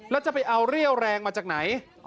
แล้วจะไปเอาเรี่ยวแรงมาจากไหน